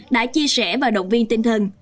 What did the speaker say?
đã chia sẻ và động viên tinh thần